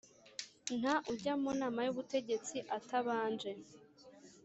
Nta ujya mu Nama y Ubutegetsi atabanje